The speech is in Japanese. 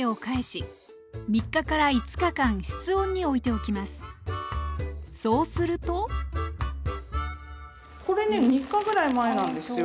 おもしをしてそうするとこれね３日ぐらい前なんですよ。